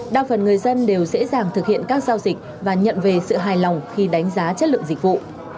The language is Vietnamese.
đa phần người dân đều dễ dàng thực hiện các giao dịch và nhận về sự hài lòng khi đánh giá chất lượng dịch vụ